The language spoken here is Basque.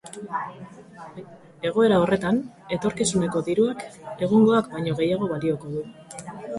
Egoera horretan, etorkizuneko diruak egungoak baino gehiago balioko du.